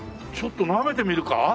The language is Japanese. ちょっとなめてみるか？